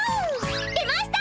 出ました！